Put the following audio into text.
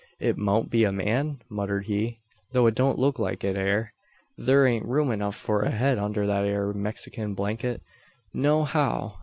"It mout be a man?" muttered he, "though it don't look like it air. Thur ain't room enuf for a head under that ere Mexikin blanket, no how.